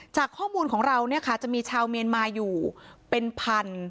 จากข้อมูลของเราเนี่ยค่ะจะมีชาวเมียนมาอยู่เป็นพัน